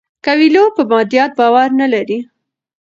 کویلیو په مادیت باور نه لري.